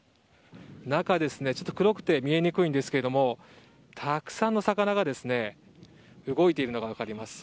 中、黒くて見えにくいんですけれどもたくさんの魚が動いているのが分かります。